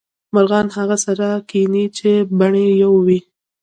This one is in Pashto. مرغان هغه سره کینې چې بڼې یو وې